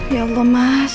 ya allah mas kamu dimana